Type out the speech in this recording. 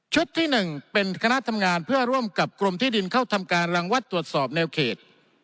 ที่๑เป็นคณะทำงานเพื่อร่วมกับกรมที่ดินเข้าทำการรังวัดตรวจสอบแนวเขต